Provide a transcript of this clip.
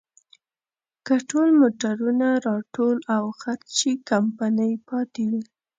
که ټول موټرونه راټول او خرڅ شي، کمپنۍ پاتې وي.